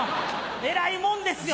えらいもんですよ。